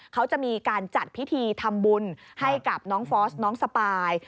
เขาจะมีการจัดพิธีทำบุญให้กับน้องฟอสน้องสปาย